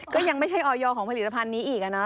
ก็ยังไม่ใช่ออยของผลิตภัณฑ์นี้อีกนะ